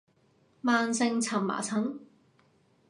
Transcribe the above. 慢性蕁麻疹